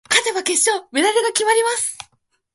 勝てば決勝進出、メダルが決まります。